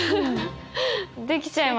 できちゃいました。